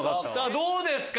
どうですか？